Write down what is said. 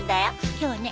今日ね